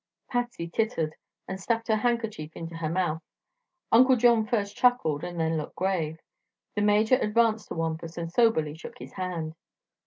Patsy tittered and stuffed her handkerchief into her mouth. Uncle John first chuckled and then looked grave. The Major advanced to Wampus and soberly shook his hand.